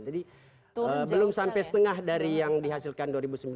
jadi belum sampai setengah dari yang dihasilkan dua ribu sembilan belas